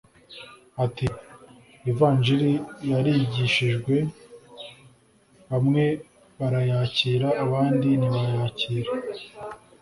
Ati “Ivanjili yarigishijwe bamwe barayakira abandi ntibayakira